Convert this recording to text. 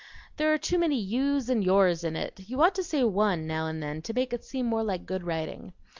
There are too many 'yous' and 'yours' in it; you ought to say 'one' now and then, to make it seem more like good writing.